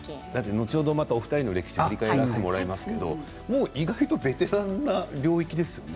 後ほど２人の歴史を振り返らせてもらいますけど意外とベテランの領域ですよね